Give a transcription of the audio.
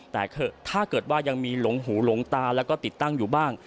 แต่ถ้าเกิดว่ายังมีหลงหูหลงตาแล้วก็ติดตั้งอยู่บ้าง